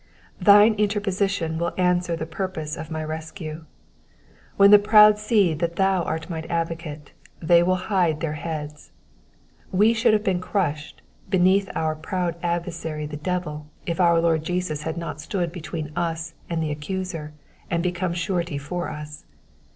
Thine interposition will answer the purpose of my rescue : when the proud see that thou art my advocate they will hide their heads. We should have been crushed beneath our proud adversary the devil if our Lord Jesus had not stood between us and the accuser, and become a surety for us.